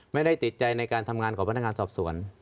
ไม่ได้ติดใจในการทำงานของพนักงานสอบสวน